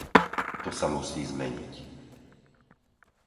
To sa musí zmeniť.